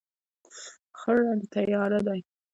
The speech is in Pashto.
خړ رنګ تیاره دی.